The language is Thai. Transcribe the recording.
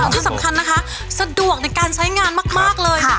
ถ้าสำคัญนะคะสะดวกในการใช้งานมากเลย